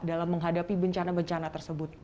dalam menghadapi bencana bencana tersebut